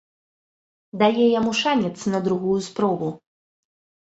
Дае яму шанец на другую спробу.